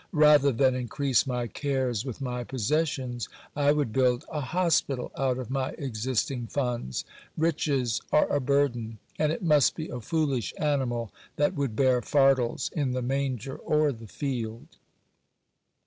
Rather than increase my cares with my possessions, I would build a hospital out of my existing funds. Riches are a burden : and it must be a foolish animal that would bear fardels in the manger or the field.